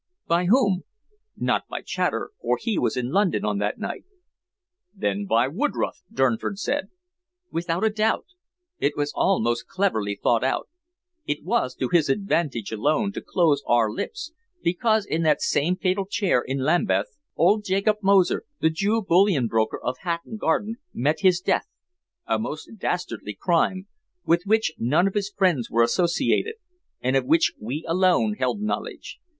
"By whom?" "Not by Chater, for he was in London on that night." "Then by Woodroffe?" Durnford said. "Without a doubt. It was all most cleverly thought out. It was to his advantage alone to close our lips, because in that same fatal chair in Lambeth old Jacob Moser, the Jew bullion broker of Hatton Garden, met his death a most dastardly crime, with which none of his friends were associated, and of which we alone held knowledge.